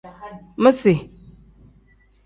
Misi.